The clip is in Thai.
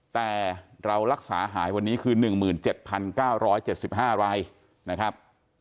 แต่เรารักษาหายวันนี้คือ๑๗๙๗๕รายนะครับ